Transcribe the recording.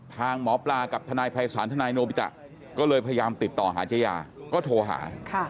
ทางหมอปลากับทนายภัยศาลทนายโนบิตะก็เลยพยายามติดต่อหาเจ๊ยาก็โทรหา